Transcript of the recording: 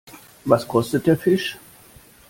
Was kostet der Fisch?